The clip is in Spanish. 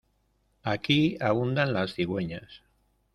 Aquí abundan las cigüeñas.